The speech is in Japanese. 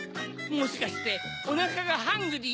もしかしておなかがハングリー？